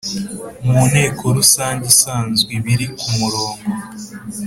Mu nteko rusange isanzwe ibiri ku murongo